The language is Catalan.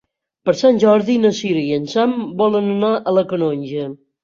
Per Sant Jordi na Cira i en Sam volen anar a la Canonja.